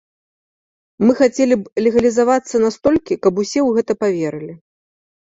Мы хацелі б легалізавацца настолькі, каб усе ў гэта паверылі.